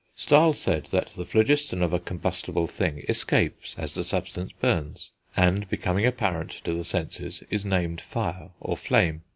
Stahl said that the phlogiston of a combustible thing escapes as the substance burns, and, becoming apparent to the senses, is named fire or flame.